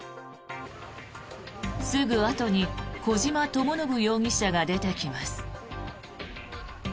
すぐあとに小島智信容疑者が出てきます。